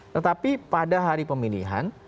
tetapi pada hari pemilihan